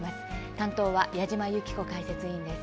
担当は矢島ゆき子解説委員です。